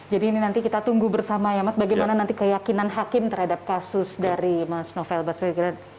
jadi ini nanti kita tunggu bersama ya mas bagaimana nanti keyakinan hakim terhadap kasus dari mas novel baswedan